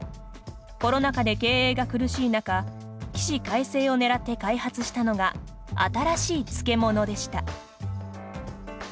コロナ禍で経営が苦しい中起死回生をねらって開発したのが新しい漬物でした。